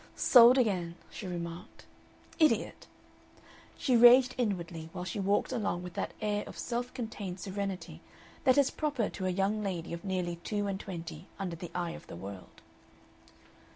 "Sold again," she remarked. "Idiot!" She raged inwardly while she walked along with that air of self contained serenity that is proper to a young lady of nearly two and twenty under the eye of the world.